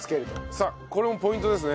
さあこれもポイントですね。